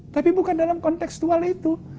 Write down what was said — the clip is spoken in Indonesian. tapi bukan dalam konteksual itu